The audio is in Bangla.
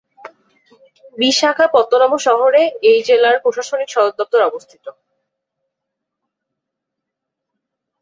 বিশাখাপত্তনম শহরে এই জেলার প্রশাসনিক সদর দপ্তর অবস্থিত।